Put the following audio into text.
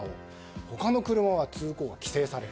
他の車は通行を規制される。